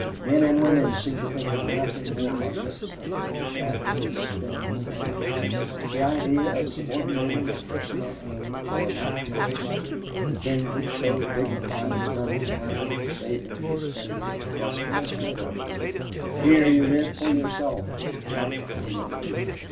Men and women seemed to think of nothing more magnificent than to gather and spend wealth. The idea of subordinating a personal aim for a national aim, the thing which so dignified German earning, saving and spending, was unheard of here. Here you lived for yourself, not for your nation.